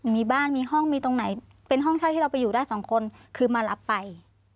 มีบ้านมีห้องมีตรงไหนเป็นห้องเช่าที่เราไปอยู่ได้สองคนคือมารับไป